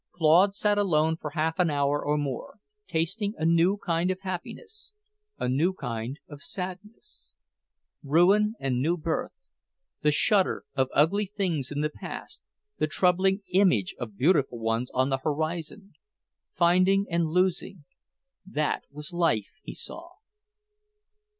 Claude sat alone for half an hour or more, tasting a new kind of happiness, a new kind of sadness. Ruin and new birth; the shudder of ugly things in the past, the trembling image of beautiful ones on the horizon; finding and losing; that was life, he saw.